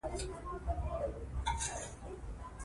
موږ باید ماشومانو ته د زده کړې لپاره خوندي چاپېریال برابر کړو